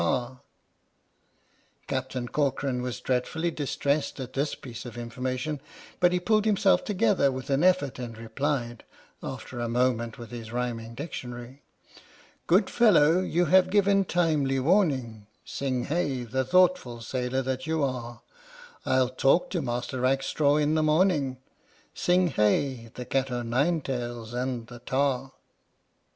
"PINAFORE" Captain Corcoran was dreadfully distressed at this piece of information, but he pulled himself together with an effort and replied (after a moment with his rhyming dictionary): Good fellow, you have given timely warning (Sing hey, the thoughtful sailor that you are), I'll talk to Master Rackstraw in the morning! (Sing hey, the cat o' nine tails and the Tar!)